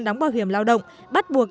đóng bảo hiểm lao động bắt buộc